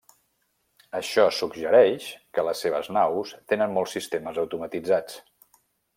Això suggereix que les seves naus tenen molts sistemes automatitzats.